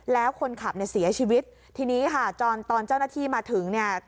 แล้วคนขับเนี่ยเสียชีวิตทีนี้ค่ะตอนตอนเจ้าหน้าที่มาถึงเนี่ย